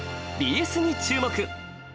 ＢＳに注目。